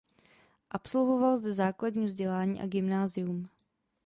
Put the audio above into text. Absolvoval zde základní vzdělání a gymnázium.